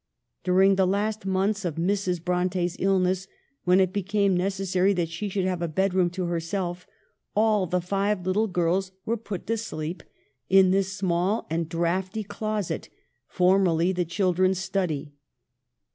During the last months of Mrs. Bronte's illness, when it became necessary that she should have a bedroom to herself, all the five little girls were put to sleep in this small and draughty closet, formerly the children's study.